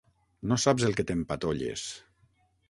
No saps el que t'empatolles!